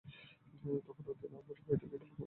তখন রাতের আঁধার কেটে কেবল পুব আকাশ ফিকে হতে শুরু করেছে।